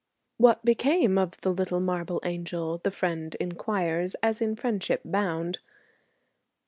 'What became of the little marble angel?' the friend inquires as in friendship bound.